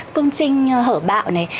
cương trinh hở bạo này